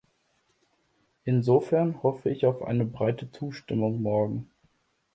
Insofern hoffe ich auf eine breite Zustimmung morgen.